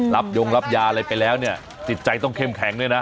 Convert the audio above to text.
ยงรับยาอะไรไปแล้วเนี่ยจิตใจต้องเข้มแข็งด้วยนะ